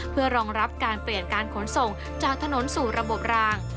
เพื่อรองรับการเปลี่ยนการขนส่งจากถนนสู่ระบบราง